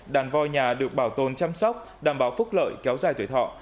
đàn voi nhà được bảo tồn chăm sóc đảm bảo phúc lợi kéo dài tuổi thọ